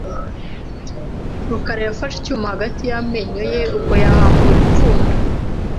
rukarayafashe icyuma hagati y amenyo ye ubwo yahambura ipfundo.